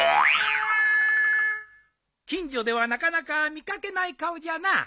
近所ではなかなか見掛けない顔じゃな。